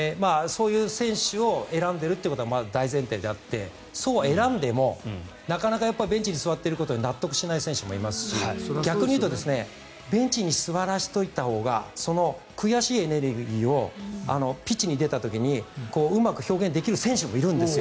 そういう選手を選んでいることは大前提であってそうは選んでも、なかなかベンチに座っていることに納得しない選手もいますし逆に言うとベンチに座らせておいたほうが悔しいエネルギーをピッチに出た時にうまく表現できる選手もいるんです。